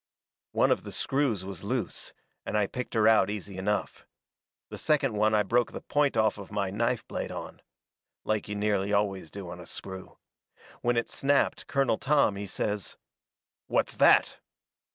One of the screws was loose, and I picked her out easy enough. The second one I broke the point off of my knife blade on. Like you nearly always do on a screw. When it snapped Colonel Tom he says: "What's that?"